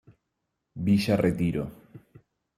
Villa Retiro.